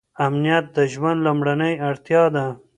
امنیت د ژوند لومړنۍ اړتیا ده.